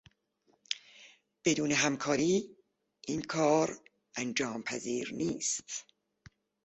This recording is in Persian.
بدون همکاری این کار انجامپذیر نیست.